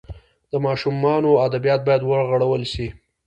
د ماشومانو ادبیات باید وغوړول سي.